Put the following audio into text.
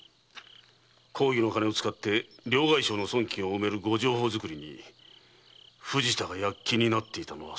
公儀の金を使って両替商の損金を埋めるご定法づくりに藤田が躍起になっていたのはそのためだったか。